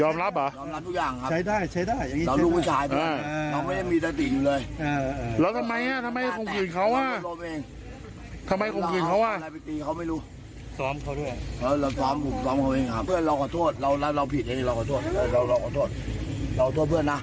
ไม่ต้องขอโทษเราไปขอโทษผู้หญิงนู้น